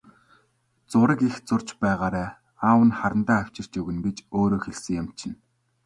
Зураг их зурж байгаарай, аав нь харандаа авчирч өгнө гэж өөрөө хэлсэн юм чинь.